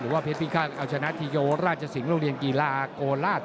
ว่าเพชรพิฆาตเอาชนะทีโยราชสิงห์โรงเรียนกีฬาโกราช